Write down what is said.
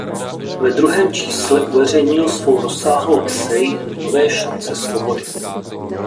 Ve druhém čísle uveřejnil svou rozsáhlou esej "Nové šance svobody".